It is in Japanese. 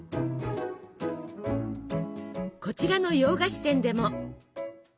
こちらの洋菓子店でも。